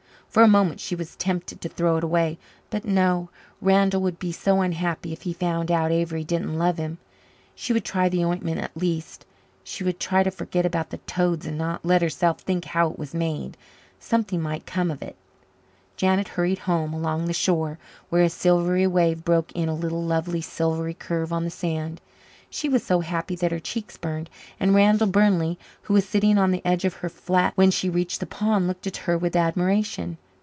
For a moment she was tempted to throw it away. But no Randall would be so unhappy if he found out Avery didn't love him! She would try the ointment at least she would try to forget about the toads and not let herself think how it was made something might come of it. Janet hurried home along the shore, where a silvery wave broke in a little lovely silvery curve on the sand. She was so happy that her cheeks burned, and Randall Burnley, who was sitting on the edge of her flat when she reached the pond, looked at her with admiration.